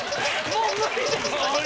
もう無理です。